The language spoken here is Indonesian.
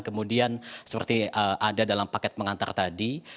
kemudian seperti ada dalam paket pengantar tadi